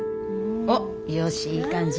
あっよしいい感じ。